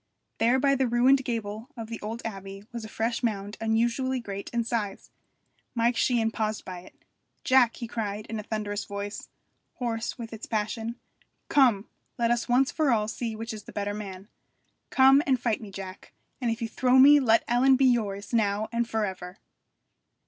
There by the ruined gable of the old abbey was a fresh mound unusually great in size. Mike Sheehan paused by it. 'Jack!' he cried in a thunderous voice, hoarse with its passion. 'Come! let us once for all see which is the better man. Come and fight me, Jack, and if you throw me let Ellen be yours now and for ever!'